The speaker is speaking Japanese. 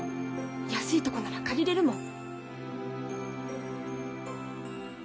安いとこなら借りれるもん。